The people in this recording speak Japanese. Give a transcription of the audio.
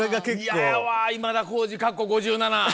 嫌やわ今田耕司。